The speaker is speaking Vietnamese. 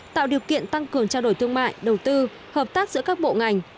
tạo điều kiện tăng cường trao đổi thương mại đầu tư hợp tác giữa các bộ ngành